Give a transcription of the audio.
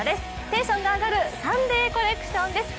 テンションが上がる「サンデーコレクション」です。